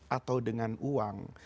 atau dengan uang